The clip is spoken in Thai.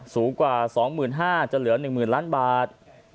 สูงกว่า๒๕๐๐๐จะเหลือ๑๐๐๐๐๐๐๐บาท